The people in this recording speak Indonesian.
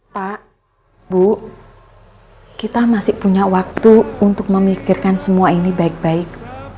pak bu kita masih punya waktu untuk memikirkan semua ini baik baik